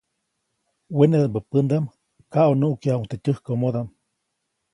Wenedaʼmbä pändaʼm kaʼunuʼkyajuʼuŋ teʼ tyäjkomodaʼm.